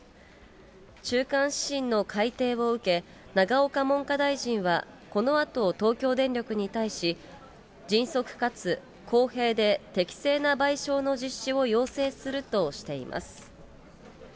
中間指針の改定を受け、永岡文科大臣はこのあと、東京電力に対し、迅速かつ公平で適正な賠償の実施を要請するとしています。